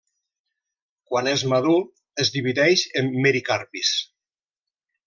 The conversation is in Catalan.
Quan és madur es divideix en mericarpis.